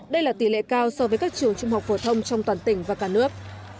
đây là tỷ lệ cao so với các trường trung học phổ thông trong toàn tỉnh và cả nước